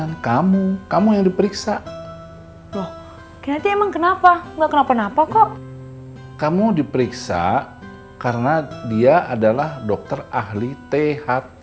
kan kamu kamu yang diperiksa loh emang kenapa nggak kenapa kenapa kok kamu diperiksa karena dia adalah dokter ahli tht